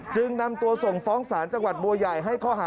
จึงนำตัวส่งฟ้องศาลจังหวัดมัวใหญ่